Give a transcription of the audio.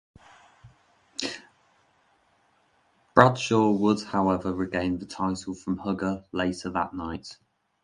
Bradshaw would, however, regain the title from Hugger later that night.